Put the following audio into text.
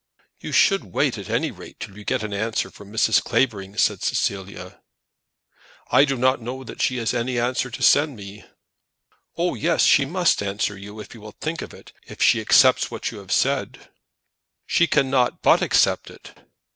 "You should wait, at any rate, till you get an answer from Mrs. Clavering," said Cecilia. "I do not know that she has any answer to send to me." "Oh, yes; she must answer you, if you will think of it. If she accepts what you have said " "She cannot but accept it."